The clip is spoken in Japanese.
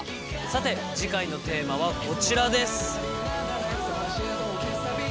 さて次回のテーマはこちらです。